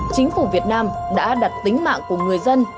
chính phủ việt nam đã đặt tính mạng của người dân